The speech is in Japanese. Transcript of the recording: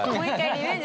リベンジ。